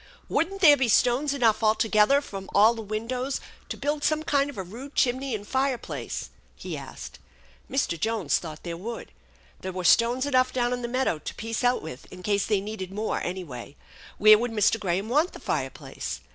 " Wouldn't there be stones enough all together from all the windows to build some kind of a rude chimney and fireplace ?" he asked. Mr. Jones thought there would. There were stones enough down in the meadow to piece out with in case they needed more, anyway. Where would Mr. Graham want the fire place?